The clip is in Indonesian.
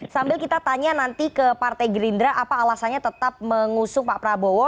sambil kita tanya nanti ke partai gerindra apa alasannya tetap mengusung pak prabowo